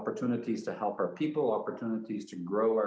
kita tidak tahu berapa lama itu akan berlalu